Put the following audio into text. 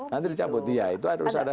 nanti dicabut dia itu harus ada